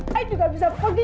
saya juga bisa pergi